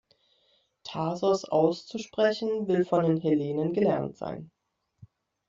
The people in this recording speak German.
Thasos auszusprechen will von den Hellenen gelernt sein.